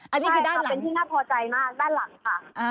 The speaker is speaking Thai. อันนี้คือด้านเป็นที่น่าพอใจมากด้านหลังค่ะ